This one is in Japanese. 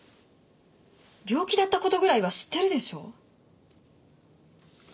病気だった事ぐらいは知ってるでしょ？